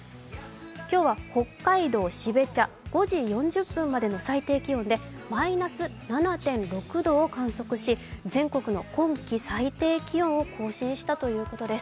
今日は北海道標茶、５時４０分までの最低気温でマイナス７．６度を観測し全国の今季最低気温を記録したということです。